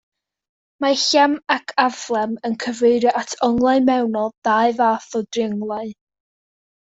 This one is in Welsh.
Mae llem ac aflem yn cyfeirio at onglau mewnol dau fath o drionglau.